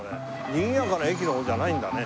にぎやかな駅の方じゃないんだね。